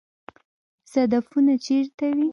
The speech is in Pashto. صدفونه چیرته وي؟